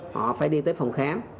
họ phải đi tới phòng khám